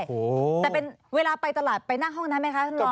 แต่เป็นเวลาไปตลาดไปนั่งห้องนั้นไหมคะท่านรอง